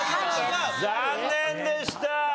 残念でした！